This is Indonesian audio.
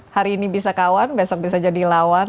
hari ini bisa kawan besok bisa jadi lawan